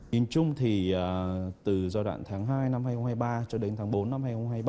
nhìn chung thì từ giai đoạn tháng hai năm hai nghìn hai mươi ba cho đến tháng bốn năm hai nghìn hai mươi ba